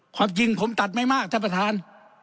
ความจริงผมตัดไม่มากท่านประธาน